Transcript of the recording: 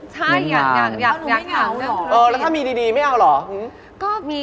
ใช่อยากถามธุรกิจอย่างเดียวอ๋อแล้วถ้ามีดีไม่เอาเหรอหืม